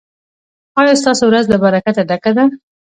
ایا ستاسو ورځ له برکته ډکه ده؟